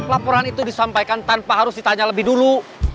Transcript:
laporan itu disampaikan tanpa harus ditanya lebih dulu